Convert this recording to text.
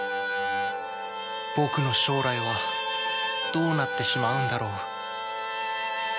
僕の将来はどうなってしまうんだろう？